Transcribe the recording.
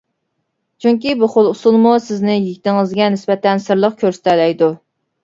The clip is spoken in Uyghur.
چۈنكى بۇ خىل ئۇسۇلمۇ سىزنى يىگىتىڭىزگە نىسبەتەن سىرلىق كۆرسىتەلەيدۇ.